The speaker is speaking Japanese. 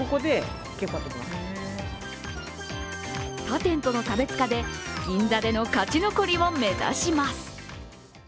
他店との差別化で銀座での勝ち残りを目指します。